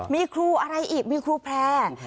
มีครูอะไรอีกมีครูแพร่